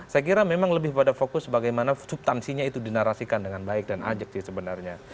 saya kira memang lebih pada fokus bagaimana subtansinya itu dinarasikan dengan baik dan ajak sih sebenarnya